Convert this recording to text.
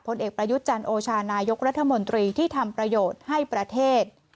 ผลเอกประยุทธ์จันโอชานายกรัฐมนตรีที่ทำประโยชน์ให้ประเทศ